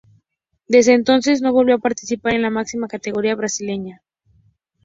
Desde entonces, no volvió a participar en la máxima categoría brasilera.